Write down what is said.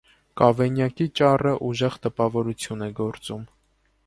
Կավենյակի ճառը ուժեղ տպավորություն է գործում։